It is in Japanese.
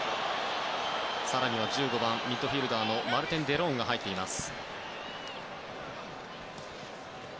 更には１５番ミッドフィールダーのマルテン・デローンが入っています。